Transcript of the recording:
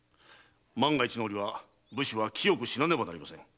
万が一のおりは武士は清く死なねばなりません。